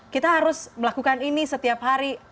kita harus melakukan ini setiap hari